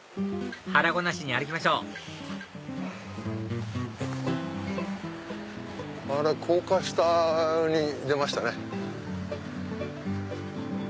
腹ごなしに歩きましょう高架下に出ましたね。